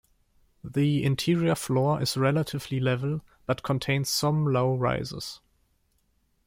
The interior floor is relatively level, but contains some low rises.